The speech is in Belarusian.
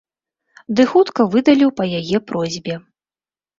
Ды хутка выдаліў па яе просьбе.